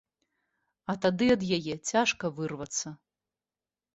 А тады ад яе цяжка вырвацца.